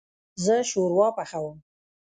زه شوروا پخوم